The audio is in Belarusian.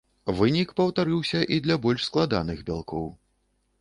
Вынік паўтарыўся і для больш складаных бялкоў.